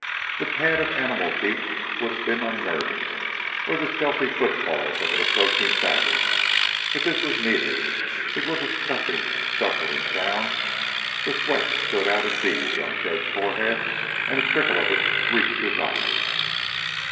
The pad of animal feet would have been unnerving or the stealthy footfalls of an approaching savage but this was neither; it was a scuffing, shuffling sound. The sweat stood out in beads on Chet's forehead and a trickle of it reached his eyes.